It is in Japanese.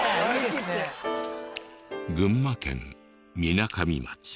群馬県みなかみ町。